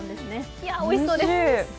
いや、おいしそうです。